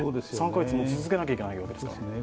３カ月も続けなければならないわけですから。